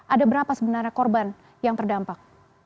ada berapa sebenarnya korban yang terdampak